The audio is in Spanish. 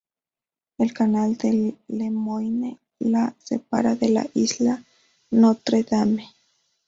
El canal de Le Moyne la separa de la isla Notre-Dame.